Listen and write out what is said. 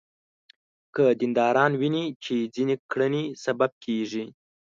که دینداران ویني چې ځینې کړنې سبب کېږي.